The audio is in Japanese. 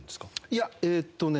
いやえっとね